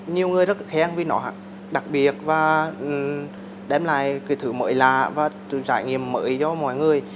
nhiều người rất khen vì nó đặc biệt và đem lại cái thứ mới lạ và trải nghiệm mới cho mọi người